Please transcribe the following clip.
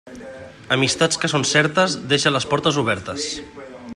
Amistats que són certes, deixa les portes obertes.